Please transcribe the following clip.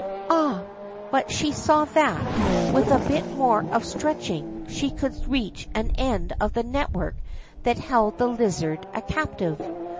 Ah ! but she saw that, with a bit more of stretching, she could reach an end of the network that held the lizard a captive.